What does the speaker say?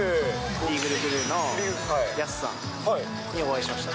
ビーグルクルーのヤスさんにお会いしました。